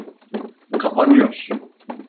Kapanıyor.